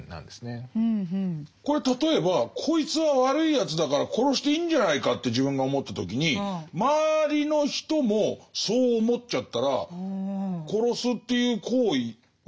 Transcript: これ例えばこいつは悪いやつだから殺していいんじゃないかって自分が思った時に周りの人もそう思っちゃったら殺すっていう行為は。